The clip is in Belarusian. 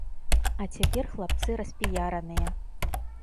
А цяпер хлапцы распіяраныя.